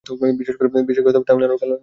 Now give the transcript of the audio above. বিশেষ করে তামিলনাড়ু ও কেরালায়।